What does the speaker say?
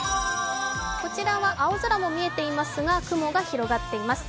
こちらは青空も見えていますが、雲が広がっています。